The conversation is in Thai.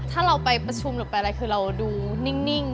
ถ้าเราไปประชุมหรือไปอะไรคือเราดูนิ่ง